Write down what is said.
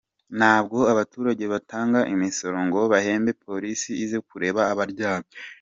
Ntabwo abaturage batanga imisoro ngo bahembe Polisi ize kureba abaryamanye.